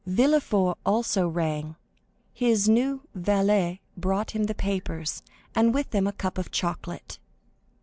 Villefort also rang; his new valet brought him the papers, and with them a cup of chocolate.